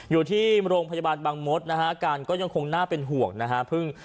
อยู่ที่โรงพยาบาลบางมศนะฮะอาการก็ยังคงน่าเป็นห่วงนะฮะ